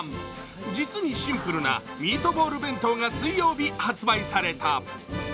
実にシンプルなミートボール弁当が水曜日発売された。